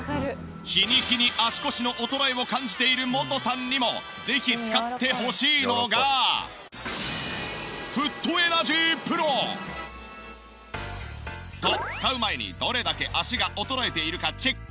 日に日に足腰の衰えを感じているモトさんにもぜひ使ってほしいのが。と使う前にどれだけ足が衰えているかチェック。